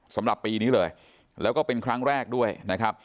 สำหรับปีนี้เลยแล้วก็เป็นครั้งแรกด้วยนะครับ